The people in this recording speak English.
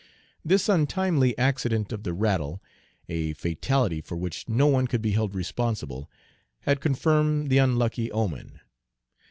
This untimely accident of the rattle, a fatality for which no one could be held responsible, had confirmed the unlucky omen.